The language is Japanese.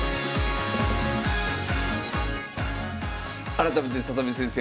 改めて里見先生